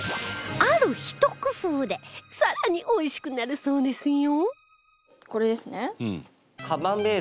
あるひと工夫で更においしくなるそうですよ